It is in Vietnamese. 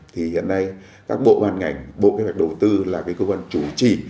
thì hiện nay các bộ hoàn ngành bộ kế hoạch đầu tư là cơ quan chủ trì